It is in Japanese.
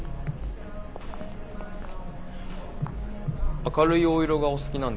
明るいお色がお好きなんですか？